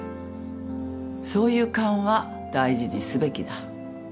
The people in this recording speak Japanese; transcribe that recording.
そういう勘は大事にすべきだ